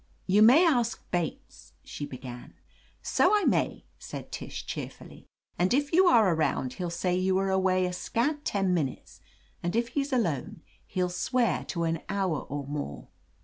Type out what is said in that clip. You may ask Bates —" she began. So I may," said Tish cheerfully. "And if you are around he'll say you were away a scant ten minutes and if he's alone, he'll swear to an hour or more."